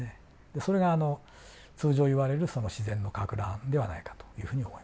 それがあの通常いわれる自然のかく乱ではないかというふうに思います。